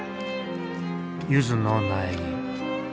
ゆずの苗木。